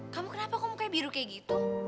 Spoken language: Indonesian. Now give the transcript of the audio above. kamu kenapa kok mukanya biru kayak gitu